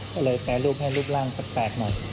ก็เลยแปรรูปให้รูปร่างแปลกหน่อย